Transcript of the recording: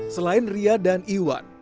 selain ria dan iwan